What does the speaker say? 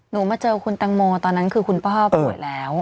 มาเจอคุณตังโมตอนนั้นคือคุณพ่อป่วยแล้ว